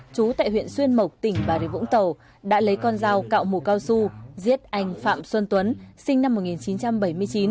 chú tại huyện xuyên mộc tỉnh bà rịa vũng tàu đã lấy con dao cạo mù cao su giết anh phạm xuân tuấn sinh năm một nghìn chín trăm bảy mươi chín